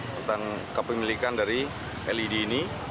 tentang kepemilikan dari led ini